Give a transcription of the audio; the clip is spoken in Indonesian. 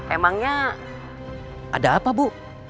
emangnya ada apa bu